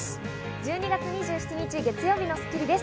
１２月２７日、月曜日の『スッキリ』です。